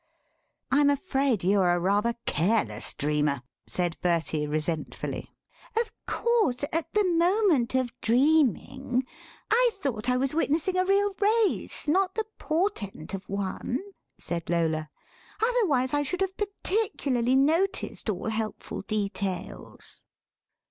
"I'm afraid you are rather a careless dreamer," said Bertie resentfully. "Of course, at the moment of dreaming I thought I was witnessing a real race, not the portent of one," said Lola; "otherwise I should have particularly noticed all helpful details."